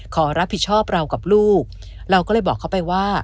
ขอรับผิดชอบเรากับลูกเราก็เลยบอกเขาไปว่า